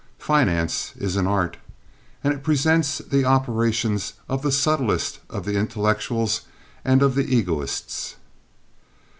Finance is an art. And it presents the operations of the subtlest of the intellectuals and of the egoists.